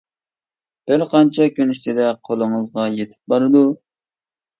بىر قانچە كۈن ئىچىدە قولىڭىزغا يىتىپ بارىدۇ.